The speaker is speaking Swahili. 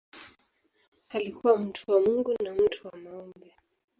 Alikuwa mtu wa Mungu na mtu wa maombi.